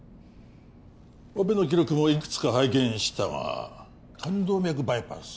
オペの記録もいくつか拝見したが冠動脈バイパス